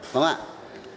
đúng không ạ